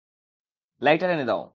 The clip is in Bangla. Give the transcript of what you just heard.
লাইটার এনে দাও।